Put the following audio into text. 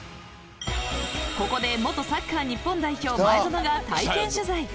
ここで元サッカー日本代表前園が体験取材。